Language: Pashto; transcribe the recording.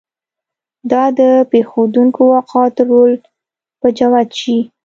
دا د پېښېدونکو واقعاتو رول به جوت شي.